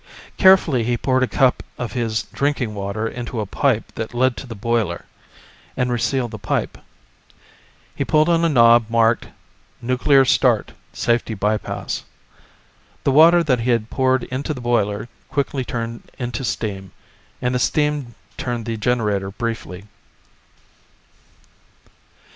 Carefully he poured a cup of his drinking water into a pipe that led to the boiler, and resealed the pipe. He pulled on a knob marked "Nuclear Start/Safety Bypass." The water that he had poured into the boiler quickly turned into steam, and the steam turned the generator briefly.